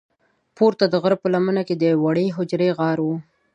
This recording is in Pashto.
پورته د غره په لمنه کې د یوې وړې حجرې غار و.